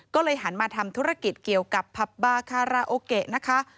ก็เลยหันมาทำธุรกิจเกี่ยวกับผับบาคาราโอเกะนะคะ